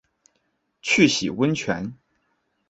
去洗温泉